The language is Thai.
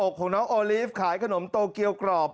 ของน้องโอลีฟขายขนมโตเกียวกรอบ